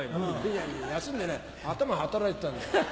いやいや休んでない頭は働いてたんだよ。